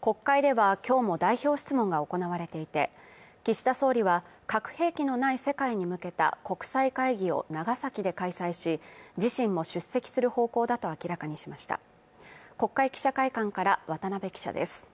国会では今日も代表質問が行われていて岸田総理は核兵器のない世界に向けた国際会議を長崎で開催し自身も出席する方向だと明らかにしました国会記者会館から渡部記者です